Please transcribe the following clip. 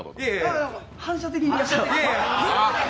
反射的に。